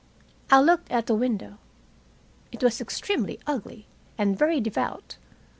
I looked at the window. It was extremely ugly, and very devout.